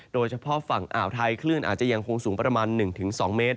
โดยเฉพาะฝั่งอ่าวไทยคลื่นอาจจะยังคงสูงประมาณ๑๒เมตร